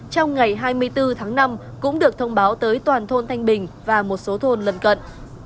trong ngày hai mươi bốn tháng năm cũng được thông báo tới toàn thôn thanh bình và một số thôn lần cận